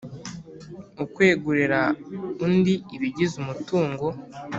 Ukwegurira undi ibigize umutungo